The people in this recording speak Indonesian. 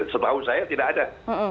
sebahu saya tidak ada